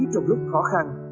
trong lúc khó khăn